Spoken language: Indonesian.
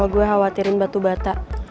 gue khawatirin batu bata